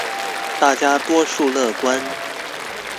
大家多數樂觀